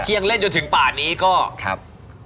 ยังเล่นจนถึงป่านนี้ก็ครับ